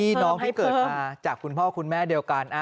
พี่น้องที่เกิดมาจากคุณพ่อคุณแม่เดียวกัน